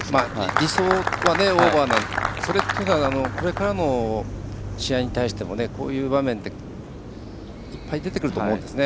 理想はオーバーなんですがこれからの試合に対してもこういう場面っていっぱい出てくると思うんですね。